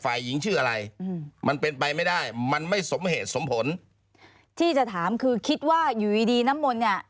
ฝ่ายหญิงชื่ออะไรอืมมันเป็นไปไม่ได้มันไม่สมเหตุสมผลที่จะถามคือคิดว่าอยู่ดีดีน้ำมนต์เนี่ย